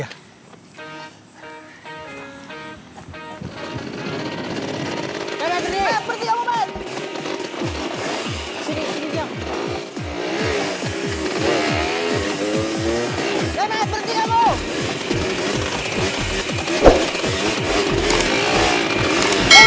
ya ya berhenti